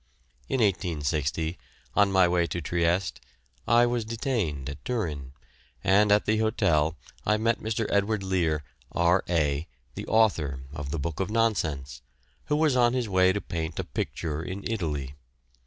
In 1860, on my way to Trieste, I was detained at Turin, and at the hotel I met Mr. Ed. Lear, R.A., the author of the Book of Nonsense, who was on his way to paint a picture in Italy.